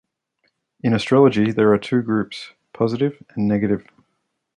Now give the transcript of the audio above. In astrology there are two groups: positive and negative.